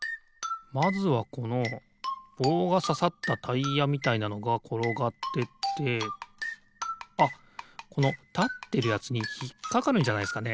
まずはこのぼうがささったタイヤみたいなのがころがってってあっこのたってるやつにひっかかるんじゃないすかね？